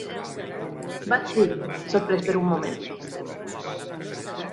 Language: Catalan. Vaig dir, sorprès per un moment.